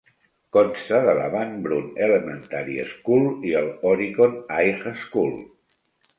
Consta de la Van Brunt Elementary School i el Horicon High School.